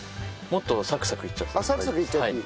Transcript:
もっとサクサクいっちゃっていい。